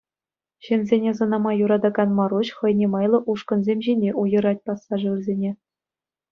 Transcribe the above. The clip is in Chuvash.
Ҫынсене сӑнама юратакан Маруҫ хӑйне майлӑ ушкӑнсем ҫине уйӑрать пассажирсене.